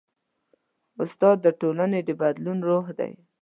استاد د ټولنې د بدلون روح دی.